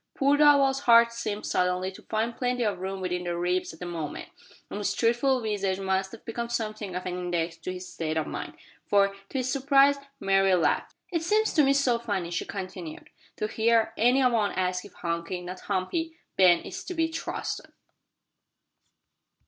Poor Darvall's heart seemed suddenly to find plenty of room within the ribs at that moment, and his truthful visage must have become something of an index to his state of mind; for, to his surprise, Mary laughed. "It seems to me so funny," she continued, "to hear any one ask if Hunky not Humpy Ben is to be trusted."